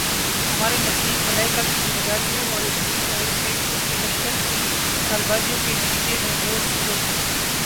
ہمارے نزدیک، ملائکہ کی ذمہ داریوں اور ابلیس اور اس کے لشکر کی چالبازیوں کے نتیجے میں وہ صورتِ